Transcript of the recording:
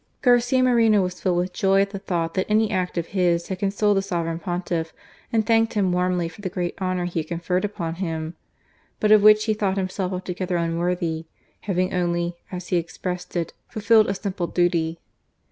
Garcia Moreno was filled with joy at the thought that any act of his had consoled the Sovereign Pontiff, and thanked him warmly for the great honour he had conferred upon him, but of which he thought himself altogether unworthy, having only, as he expressed it, ";fulfilled a simple duty."